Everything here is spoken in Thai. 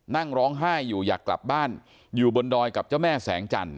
นั่งร้องไห้อยู่อยากกลับบ้านอยู่บนดอยกับเจ้าแม่แสงจันท